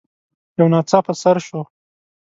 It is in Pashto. يو ناڅاپه څررر شو.